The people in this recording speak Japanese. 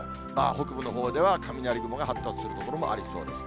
北部のほうでは雷雲が発達する所もありそうです。